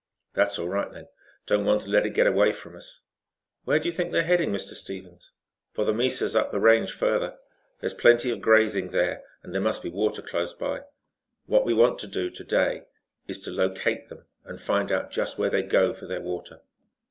"That's all right then. Don't want to let it get away from us." "Where do you think they are heading, Mr. Stevens?" "For the mesas up the range further. There's plenty of grazing there and there must be water close by. What we want to do, to day, is to locate them and find out just where they go for their water.